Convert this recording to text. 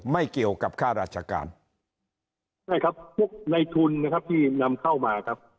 ไม่เกี่ยวกับค่าราชการใช่ครับพวกในทุนนะครับที่นำเข้ามาครับ